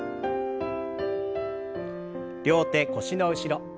両手腰の後ろ。